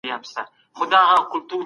هغه وویل چي زه ډېر خوشحاله یم.